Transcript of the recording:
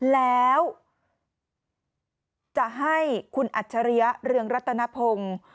แล้วจะให้คุณอัจฉริยะเรืองรัตนพงศ์